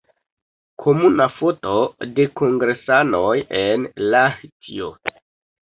Komuna foto de kongresanoj en Lahtio.